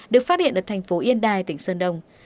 được phát hiện ở thành phố yên đài tỉnh sơn đông